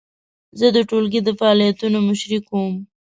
زه د ټولګي د فعالیتونو مشري کوم.